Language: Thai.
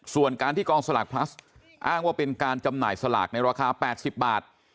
ส่วนการที่กองสลากพลัสอ้างว่าเป็นการจำหน่ายสลากในราคา๘๐บาท